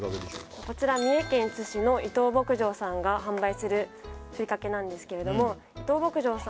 こちら三重県津市の伊藤牧場さんが販売するふりかけなんですけれども伊藤牧場さん